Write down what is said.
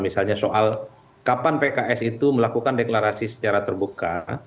misalnya soal kapan pks itu melakukan deklarasi secara terbuka